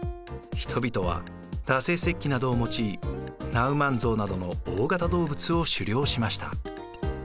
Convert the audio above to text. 人々は打製石器などを用いナウマンゾウなどの大型動物を狩猟しました。